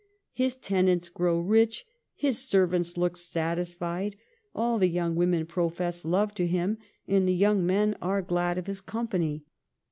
'His tenants grow rich, his servants look satisfied, all the young women profess love to him, and the young men are glad of his company.'